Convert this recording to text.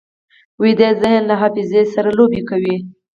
ویده ذهن له حافظې سره لوبې کوي